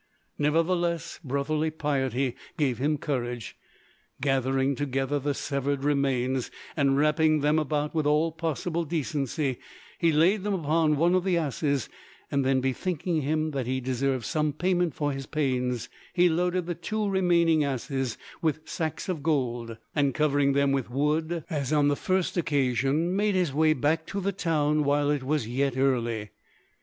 Nevertheless brotherly piety gave him courage. Gathering together the severed remains and wrapping them about with all possible decency, he laid them upon one of the asses; then bethinking him that he deserved some payment for his pains, he loaded the two remaining asses with sacks of gold, and covering them with wood as on the first occasion, made his way back to the town while it was yet early.